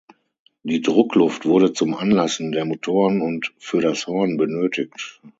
Die Druckluft wurde zum Anlassen der Motoren und für das Horn benötigt.